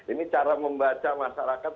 ini cara membaca masyarakat